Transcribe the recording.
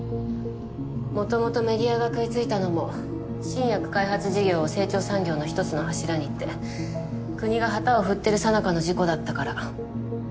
元々メディアが食いついたのも「新薬開発事業を成長産業の一つの柱に」って国が旗を振ってるさなかの事故だったから。